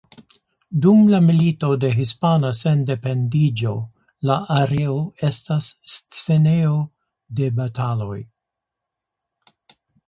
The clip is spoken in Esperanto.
Dum la Milito de Hispana Sendependiĝo la areo estas scenejo de bataloj.